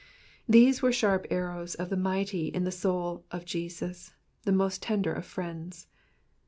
These were sharp arrows of the mighty in the soul of Jesus, the most tender of friends.